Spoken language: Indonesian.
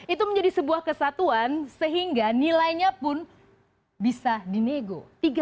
itu menjadi sebuah kesatuan sehingga nilainya pun bisa dinego